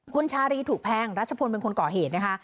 คุณชารีถูกแพงรัชพลเป็นคนก่อเหตุนะคะ